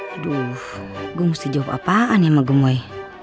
aduh gue mesti jawab apaan ya sama gemoy